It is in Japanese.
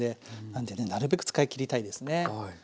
なんでねなるべく使いきりたいですね。